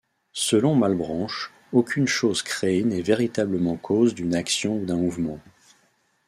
Selon Malebranche, aucune chose créée n'est véritablement cause d'une action ou d'un mouvement.